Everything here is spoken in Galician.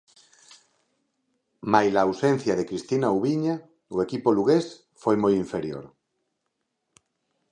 Malia a ausencia de Cristina Ouviña, o equipo lugués foi moi inferior.